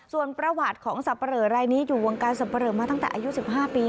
ส่วนประวัติของสับปะเหลอรายนี้อยู่วงการสับปะเหลอมาตั้งแต่อายุ๑๕ปี